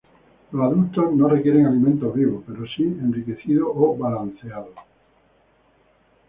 Los adultos no requieren alimento vivo pero sí enriquecido o balanceado.